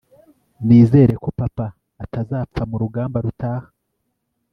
nizere ko papa atazapfa murugamba rutaha